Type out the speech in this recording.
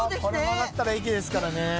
これ曲がったら駅ですからね。